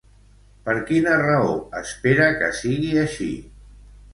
Per quina raó espera que sigui així?